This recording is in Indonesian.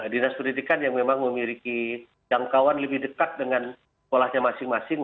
dinas pendidikan yang memang memiliki jangkauan lebih dekat dengan sekolahnya masing masing